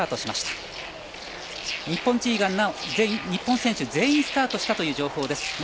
日本選手、全員スタートしたという情報です。